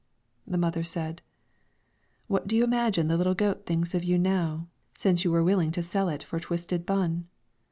The mother said, "What do you imagine the little goat thinks of you now, since you were willing to sell it for a twisted bun?"